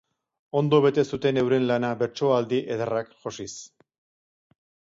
Ondo bete zuten euren lana bertsoaldi ederrak josiz.